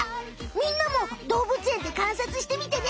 みんなもどうぶつえんでかんさつしてみてね！